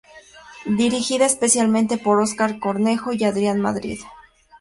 Dirigida especialmente por Óscar Cornejo y Adrián Madrid.